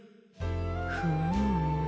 フーム。